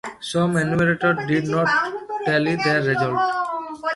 Some enumerators did not tally their results.